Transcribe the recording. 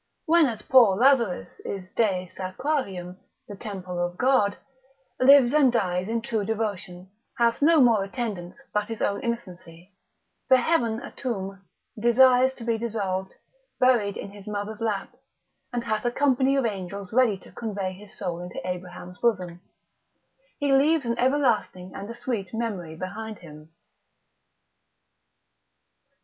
When as poor Lazarus is Dei sacrarium, the temple of God, lives and dies in true devotion, hath no more attendants, but his own innocency, the heaven a tomb, desires to be dissolved, buried in his mother's lap, and hath a company ofAngels ready to convey his soul into Abraham's bosom, he leaves an everlasting and a sweet memory behind him.